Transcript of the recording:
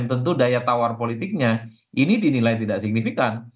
tentu daya tawar politiknya ini dinilai tidak signifikan